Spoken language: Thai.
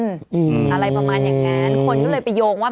เขาก็ไปพับตามบ้านเขาก็เป็นแบบว่ามีสมาคมของเขา